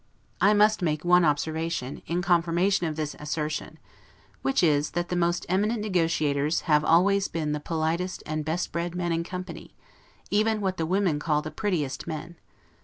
I must make one observation, in confirmation of this assertion; which is, that the most eminent negotiators have allways been the politest and bestbred men in company; even what the women call the PRETTIEST MEN.